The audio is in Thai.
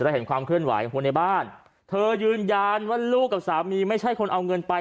และเห็นความเคลื่อนไหวของคนในบ้านเธอยืนยันว่าลูกกับสามีไม่ใช่คนเอาเงินไป